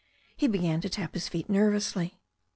He began to tap his feet nervously.